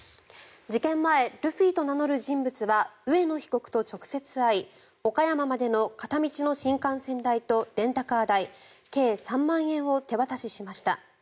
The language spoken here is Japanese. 事件前ルフィと名乗る人物は上野被告と直接会い岡山までの片道の新幹線代とレンタカー代計３万円を手渡ししました。